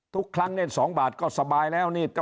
ทุกครั้งเล่น๒บาทก็สบายแล้ว